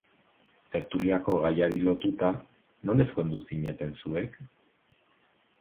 Tertuliako gaiari lotuta, non ezkondu zineten zuek?